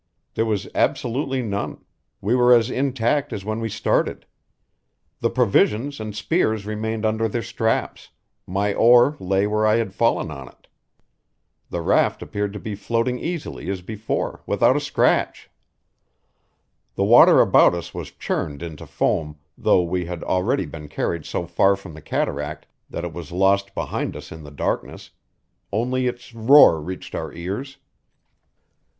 There was absolutely none; we were as intact as when we started. The provisions and spears remained under their straps; my oar lay where I had fallen on it. The raft appeared to be floating easily as before, without a scratch. The water about us was churned into foam, though we had already been carried so far from the cataract that it was lost behind us in the darkness; only its roar reached our ears.